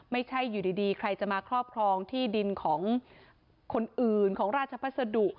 ไม่ใช่อยู่ดีใครจะมาครอบครองที่ดินของคนอื่นของราชพัสดุ